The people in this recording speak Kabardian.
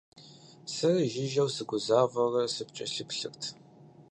Сэри жыжьэу сыгузавэурэ сыпкӀэлъыплъырт.